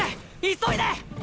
急いで！